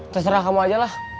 terserah kamu aja lah